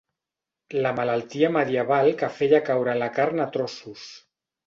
La malaltia medieval que feia caure la carn a trossos.